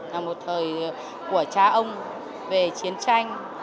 là một thời của cha ông về chiến tranh